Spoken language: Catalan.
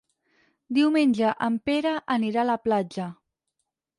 Diumenge en Pere anirà a la platja.